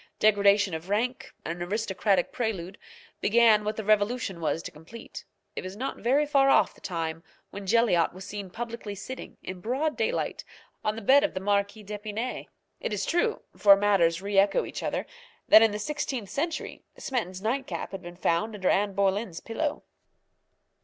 Degradation of rank, an aristocratic prelude, began what the revolution was to complete. It was not very far off the time when Jelyotte was seen publicly sitting, in broad daylight, on the bed of the Marquise d'Epinay. It is true (for manners re echo each other) that in the sixteenth century Smeton's nightcap had been found under Anne Boleyn's pillow.